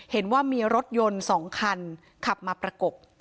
เห็นว่ามีรถยนต์๒คันขับมาประกบ